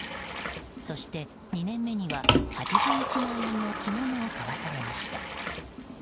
そして２年目には８１万円の着物を買わされました。